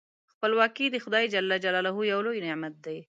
خپلواکي د خدای جل جلاله یو لوی نعمت دی.